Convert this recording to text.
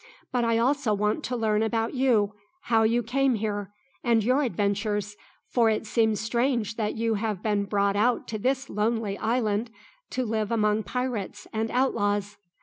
But I also want to learn about you how you came here, and your adventures; for it seems strange that you have been brought out to this lonely island, to live among pirates and outlaws!"